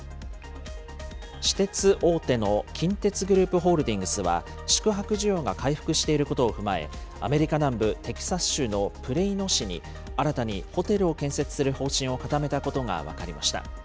私鉄大手の近鉄グループホールディングスは、宿泊需要が回復していることを踏まえ、アメリカ南部テキサス州のプレイノ市に新たにホテルを建設する方針を固めたことが分かりました。